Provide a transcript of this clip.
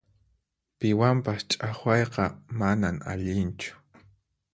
Piwanpas ch'aqwayqa manan allinchu.